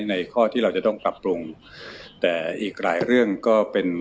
ในข้อที่เราจะต้องปรับปรุงแต่อีกหลายเรื่องก็เป็น